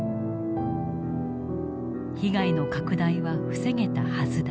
被害の拡大は防げたはずだ。